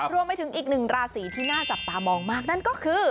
รวมไปถึงอีกหนึ่งราศีที่น่าจับตามองมากนั่นก็คือ